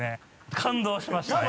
感動しましたね！